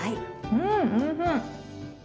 うんおいしい！